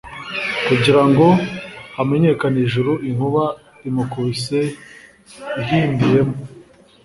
kugirango hamenyekane ijuru inkuba imukubise ihindiye mo